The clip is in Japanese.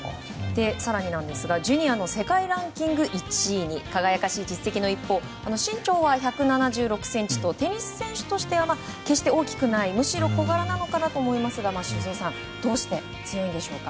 更に、ジュニアの世界ランキング１位に輝かしい実績の一方身長は１７６ｃｍとテニス選手の中では大きくないむしろ小柄なのかなと思いますが修造さんどうして強いのでしょうか。